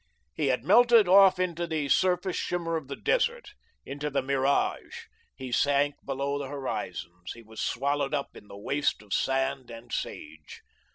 He had melted off into the surface shimmer of the desert, into the mirage; he sank below the horizons; he was swallowed up in the waste of sand and sage.